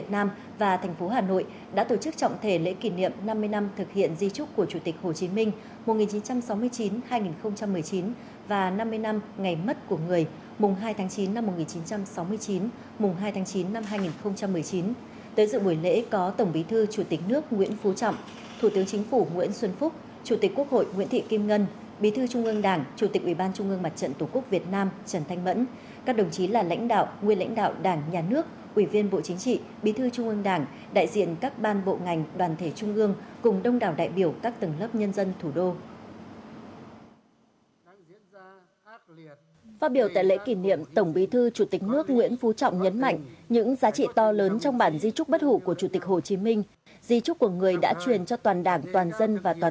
tới dự buổi lễ có tổng bí thư chủ tịch nước nguyễn phú trọng thủ tướng chính phủ nguyễn xuân phúc chủ tịch quốc hội nguyễn thị kim ngân bí thư trung ương đảng chủ tịch ủy ban trung ương mặt trận tổ quốc việt nam trần thanh mẫn các đồng chí là lãnh đạo nguyên lãnh đạo đảng nhà nước ủy viên bộ chính trị bí thư trung ương đảng đại diện các ban bộ ngành đoàn thể trung ương cùng đông đảo đại biểu các tầng lớp nhân dân thủ đô